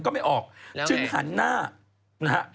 ปลาหมึกแท้เต่าทองอร่อยทั้งชนิดเส้นบดเต็มตัว